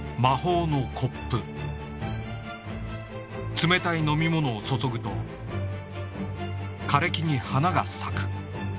冷たい飲み物を注ぐと枯れ木に花が咲く。